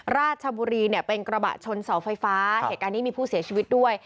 ราชบุรีเนี่ยเป็นกระบะชนเสาไฟฟ้าเหตุการณ์นี้มีผู้เสียชีวิตด้วย